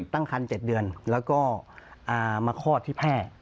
ตั้งคัน๗เดือนแล้วก็มาคลอดที่แพร่